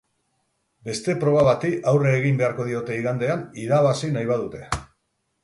Beste proba bati aurre egin beharko diote igandean irabazi nahi badute.